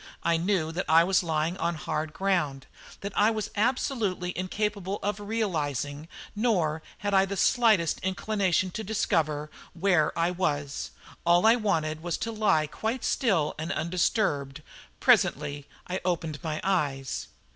I knew that I was lying on hard ground; that I was absolutely incapable of realising, nor had I the slightest inclination to discover, where I was. All I wanted was to lie quite still and undisturbed. Presently I opened my eyes.